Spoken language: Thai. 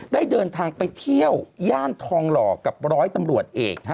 ได้เดินทางไปเที่ยวย่านทองหล่อกับร้อยตำรวจเอก